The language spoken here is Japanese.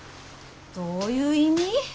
どういう意味？